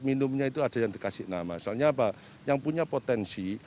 minumnya itu ada yang dikasih nama soalnya apa yang punya potensi